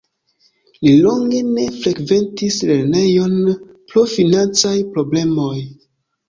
Li longe ne frekventis lernejon pro financaj problemoj.